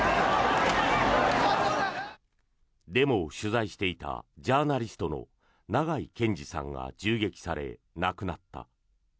デモを取材していたジャーナリストの長井健司さんが銃撃され、亡くなった。